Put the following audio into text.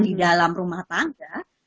di dalam rumah tangga